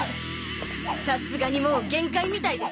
さすがにもう限界みたいですね。